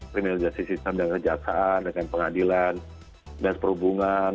primerisasi sistem dengan rejaksaan dengan pengadilan dan perhubungan